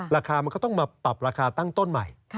ราคามันก็ต้องมาปรับราคาตั้งต้นใหม่